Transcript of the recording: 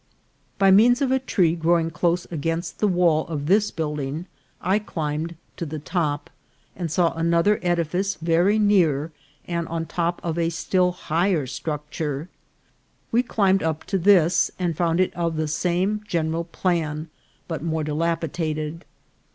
By means of a tree growing close against the wall of this building I climbed to the top, and saw another ed ifice very near and on the top of a still higher structure. We climbed up to this, and found it of the same general plan, but more dilapidated.